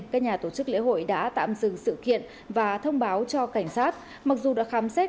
các nhà tổ chức lễ hội đã tạm dừng sự kiện và thông báo cho cảnh sát mặc dù đã khám xét